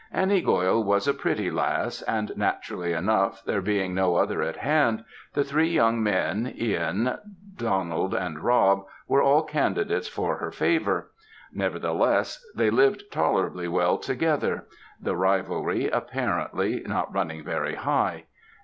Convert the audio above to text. Annie Goil was a pretty lass; and, naturally enough, there being no other at hand, the three young men, Ihan, Donald, and Rob, were all candidates for her favour. Nevertheless, they lived tolerably well together; the rivalry, apparently, not running very high.